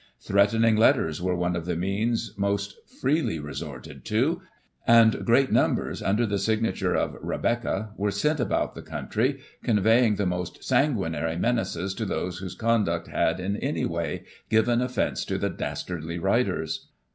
Threatening Digitized by Google 1843] REBECCA. 205 letters were one of the means most freely resorted to ; and great numbers, under the signature of " Rebecca," were sent about the country, conveying the most sanguinary menaces to those whose conduct had, in any way, given offence to the dastardly writers.